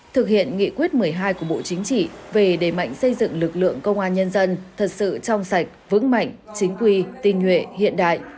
thực hiện nghị quyết một mươi hai của bộ chính trị về đề mạnh xây dựng lực lượng công an nhân dân thật sự trong sạch vững mạnh chính quy tinh nhuệ hiện đại